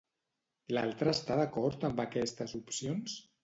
L'altre està d'acord amb aquestes opcions?